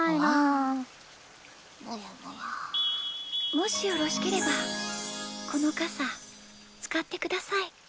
・もしよろしければこのかさつかってください。